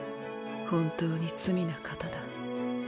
本当に罪な方だ。